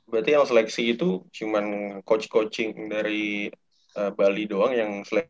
berarti kalau seleksi itu cuma coach coaching dari bali doang yang seleksi